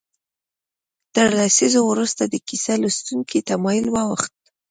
تر لسیزو وروسته د کیسه لوستنې تمایل واوښت.